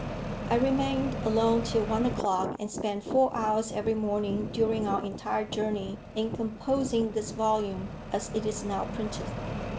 I remained alone till one o'clock, and spent four hours every morning during our entire journey in composing this volume as it is now printed.